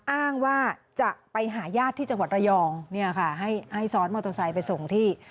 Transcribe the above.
อ้างว่าจะไปหาย่าที่จังหวัดระยอง